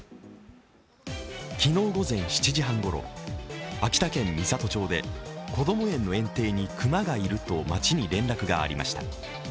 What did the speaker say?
昨日午前７時半ごろ秋田県美郷町でこども園の園庭に熊がいると町に連絡がありました。